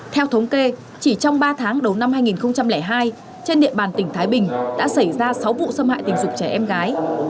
theo thống kê chỉ trong ba tháng đầu năm hai nghìn hai trên địa bàn tỉnh thái bình đã xảy ra sáu vụ xâm hại tình dục trẻ em gái